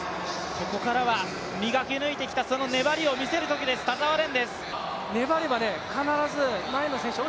ここからは磨き抜いてきたその粘りを見せるときです、田澤廉